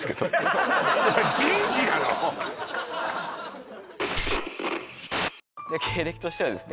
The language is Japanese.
人事経歴としてはですね